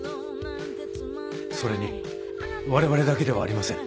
それにわれわれだけではありません。